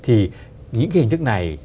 thì những cái hình thức này